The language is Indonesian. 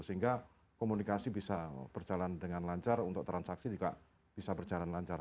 sehingga komunikasi bisa berjalan dengan lancar untuk transaksi juga bisa berjalan lancar